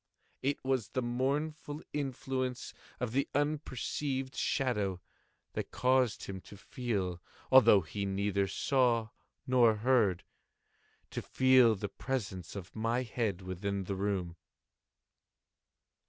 And it was the mournful influence of the unperceived shadow that caused him to feel—although he neither saw nor heard—to feel the presence of my head within the room.